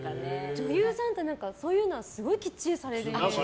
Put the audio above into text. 女優さんって、そういうのはすごいきっちりされるイメージ。